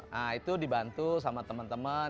nah itu dibantu sama temen temen